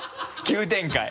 急展開。